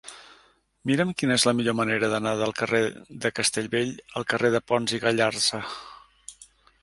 Mira'm quina és la millor manera d'anar del carrer de Castellbell al carrer de Pons i Gallarza.